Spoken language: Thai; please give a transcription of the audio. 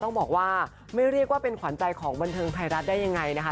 ต้องบอกว่าไม่เรียกว่าเป็นขวัญใจของบันเทิงไทยรัฐได้ยังไงนะคะ